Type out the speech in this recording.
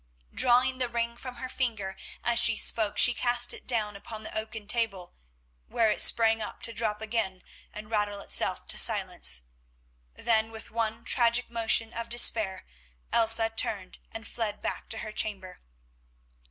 Drawing the ring from her finger, as she spoke she cast it down upon the oaken table, whence it sprang up to drop again and rattle itself to silence. Then with one tragic motion of despair, Elsa turned and fled back to her chamber.